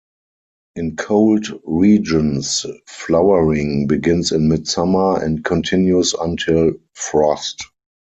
In cold regions, flowering begins in mid summer and continues until frost.